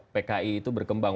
pki itu berkembang